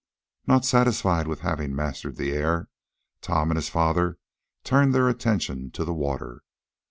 Not satisfied with having mastered the air Tom and his father turned their attention to the water.